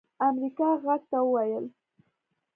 امريکا غږ ته وويل